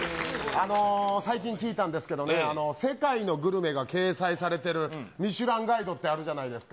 最近聞いたんですけどね、世界のグルメが掲載されてるミシュランガイドってあるじゃないですか。